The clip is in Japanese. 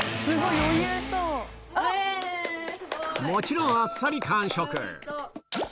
もちろん、あっさり完食。